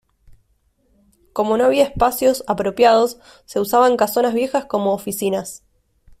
Como no había espacios apropiados, se usaban casonas viejas como oficinas.